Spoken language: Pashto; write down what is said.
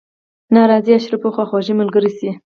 ناراضي اشرافو خواخوږي ملګرې شي.